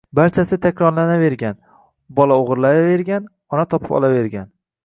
Barchasi takrorlanavergan: bola o‘g‘irlayvergan, ona topib olavergan.